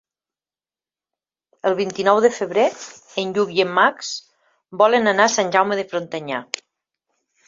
El vint-i-nou de febrer en Lluc i en Max volen anar a Sant Jaume de Frontanyà.